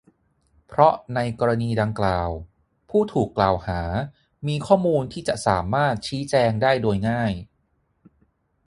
เพราะในกรณีดังกล่าวผู้ถูกกล่าวหามีข้อมูลที่จะสามารถชี้แจงได้โดยง่าย